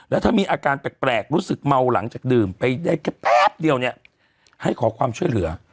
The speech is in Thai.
แล้วถ้ามีอาการแปลกรู้สึกเมาหลังจากดื่มไปได้แค่แป๊บเดียวเนี่ยให้ขอความช่วยเหลือ